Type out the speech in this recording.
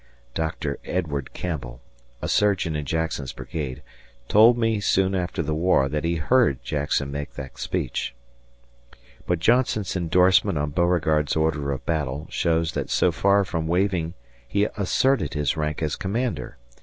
Doctor Edward Campbell, a surgeon in Jackson's brigade, told me soon after the war that he heard Jackson make that speech. But Johnston's endorsement on Beauregard's order of battle shows that so far from waiving he asserted his rank as commander.